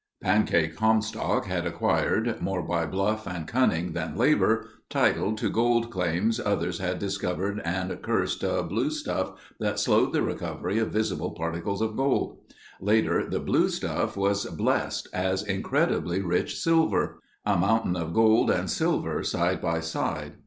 "Pancake" Comstock had acquired, more by bluff and cunning than labor, title to gold claims others had discovered and cursed a "blue stuff" that slowed the recovery of visible particles of gold. Later the "blue stuff" was blessed as incredibly rich silver. A mountain of gold and silver side by side.